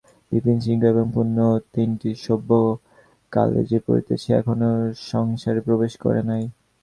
বিপিন শ্রীশ এবং পূর্ণ তিনটি সভ্য কালেজে পড়িতেছে, এখনো সংসারে প্রবেশ করে নাই।